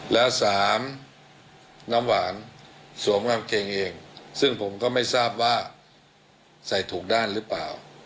แล้วสามน้ำหวานสวมกางเกงเองซึ่งผมก็ไม่ทราบว่าใส่ถูกด้านหรือเปล่า